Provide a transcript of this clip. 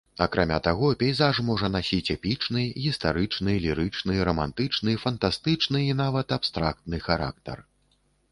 Акрамя таго, пейзаж можа насіць эпічны, гістарычны, лірычны, рамантычны, фантастычны і нават абстрактны характар.